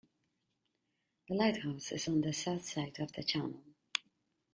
The lighthouse is on the south side of the channel.